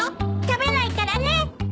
食べないからね！